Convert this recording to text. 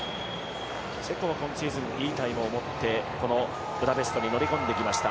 チェコは今シーズンいいタイムをもってこのブダペストに乗り込んできました。